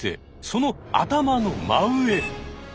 その頭の真上。